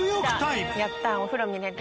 やったお風呂見れる。